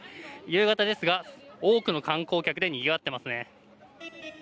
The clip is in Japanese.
夕方ですが多くの観光客でにぎわってますね。